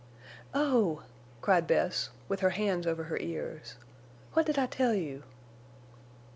"Oh!" cried Bess, with her hands over her ears. "What did I tell you?"